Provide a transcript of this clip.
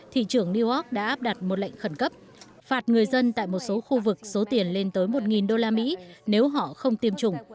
thị trường new york đã áp đặt một lệnh khẩn cấp phạt người dân tại một số khu vực số tiền lên tới một usd nếu họ không tiêm chủng